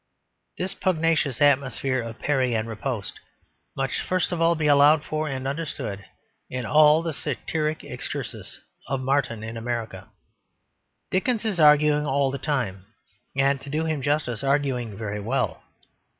This pugnacious atmosphere of parry and riposte must first of all be allowed for and understood in all the satiric excursus of Martin in America. Dickens is arguing all the time; and, to do him justice, arguing very well.